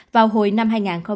vào hồi năm hai nghìn hai mươi